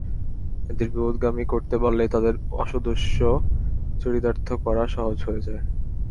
এঁদের বিপথগামী করতে পারলে তাদের অসদুদ্দেশ্য চরিতার্থ করা সহজ হয়ে যায়।